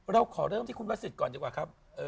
เราขอเริ่มที่คุณพระสิทธิ์ก่อนดีกว่าครับ